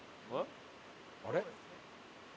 あれ？